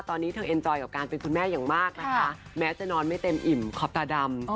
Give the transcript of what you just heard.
ตอนนี้เธอเอ็นจอยกับการเป็นคุณแม่อย่างมากนะคะแม้จะนอนไม่เต็มอิ่มขอบตาดำ